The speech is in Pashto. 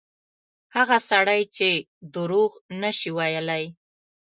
هغه سړی چې دروغ نه شي ویلای.